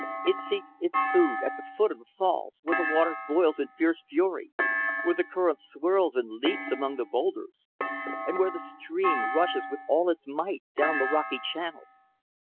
It seeks its food at the foot of the falls, where the water boils in fierce fury; where the current swirls and leaps among the boulders; and where the stream rushes with all its might down the rocky channels.